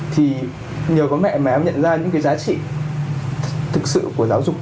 thì nhờ có mẹ mà ông nhận ra những cái giá trị thực sự của giáo dục